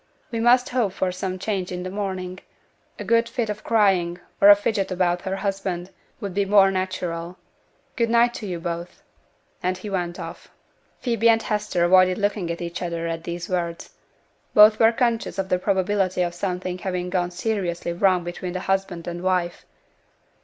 We must hope for some change in the morning; a good fit of crying, or a fidget about her husband, would be more natural. Good night to you both,' and off he went. Phoebe and Hester avoided looking at each other at these words. Both were conscious of the probability of something having gone seriously wrong between the husband and wife.